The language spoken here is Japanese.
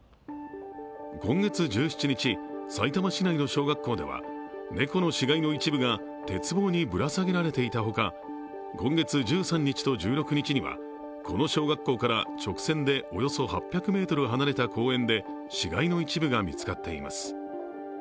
今月１７日、さいたま市内の小学校では猫の死骸の一部が鉄棒にぶら下げられていたほか、今月１３日と１６日にはこの小学校から直線でおよそ８００ｍ離れた公園で死骸の一部が見つかっています。